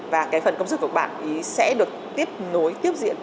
và cái phần công sức của bạn sẽ được tiếp nối tiếp diện